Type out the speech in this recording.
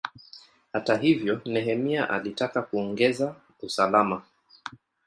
Hata hivyo, Nehemia alitaka kuongeza usalama.